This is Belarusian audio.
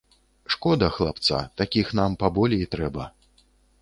Шкода хлапца, такіх нам паболей трэба.